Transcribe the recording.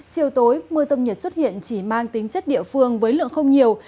chiều tối mưa rông nhiệt xuất hiện chỉ mang tính chất địa phương với lượng không nhiều